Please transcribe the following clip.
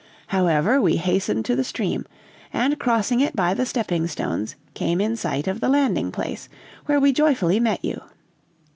"However, we hastened to the stream; and crossing it by the stepping stones, came in sight of the landing place, where we joyfully met you.